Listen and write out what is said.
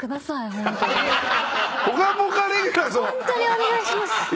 ホントにお願いします！